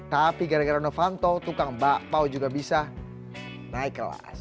tapi gara gara novanto tukang bakpao juga bisa naik kelas